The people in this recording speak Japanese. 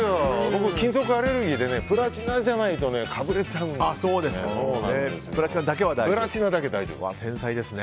僕、金属アレルギーでプラチナじゃないとかぶれちゃうんですよ。